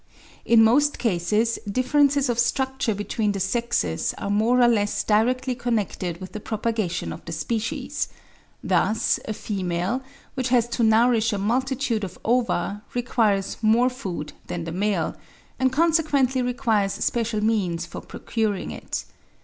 In most cases, differences of structure between the sexes are more or less directly connected with the propagation of the species: thus a female, which has to nourish a multitude of ova, requires more food than the male, and consequently requires special means for procuring it.